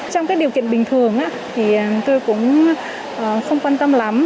trong cái điều kiện bình thường thì tôi cũng không quan tâm lắm